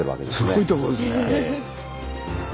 すごいとこですね。